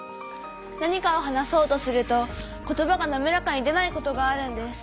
何かを話そうとすると言葉がなめらかに出ないことがあるんです。